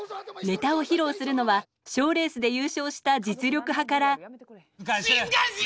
ネタを披露するのは賞レースで優勝した実力派から静かにしろ！